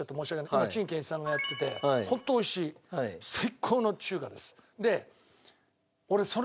今陳建一さんがやっててホント美味しい最高の中華です。